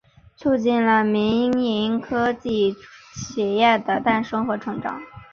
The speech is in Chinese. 促进了民营科技企业的诞生和成长。